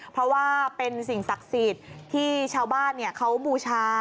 เพราะว่าเป็นสิ่งศักดิ์สิทธิ์ที่ชาวบ้านเขาบูชา